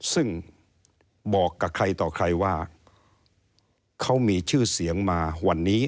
ซึ่งบอกกับใครต่อใครว่าเขามีชื่อเสียงมาวันนี้